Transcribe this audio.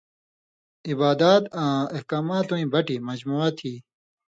عبادات آں احکاماتوَیں بَٹیۡ (مجموعہ) تھی۔